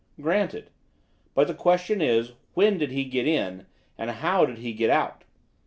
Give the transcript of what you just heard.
"Granted. But the question is, when did he get in and how did he get out?